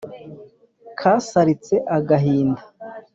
kasaritse agahinda